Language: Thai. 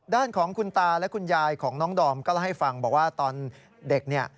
ด้านของคุณตาและคุณยายของน้องดอมก็เล่าให้ฟังบอกว่าตอนเด็กเนี่ย